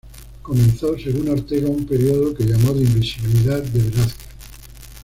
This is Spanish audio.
Comenzó, según Ortega, un periodo que llamó de invisibilidad de Velázquez.